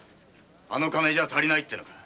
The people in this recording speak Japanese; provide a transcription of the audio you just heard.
あの金じゃ足りねぇって言うのか。